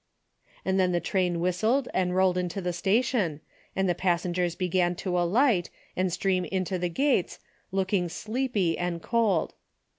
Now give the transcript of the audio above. And then the train Avhistled and rolled into the station, and the passengers be gan to alight, and stream into the gates, look ing sleepy and cold.